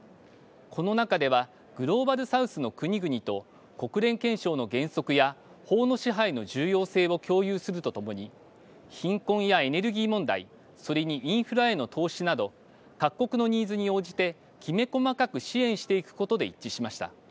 この中ではグローバル・サウスの国々と国連憲章の原則や法の支配の重要性を共有するとともに貧困やエネルギー問題、それにインフラへの投資など各国のニーズに応じてきめ細かく支援していくことで一致しました。